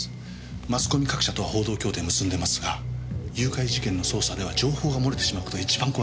マスコミ各社とは報道協定結んでますが誘拐事件の捜査では情報が漏れてしまう事が一番怖いんです。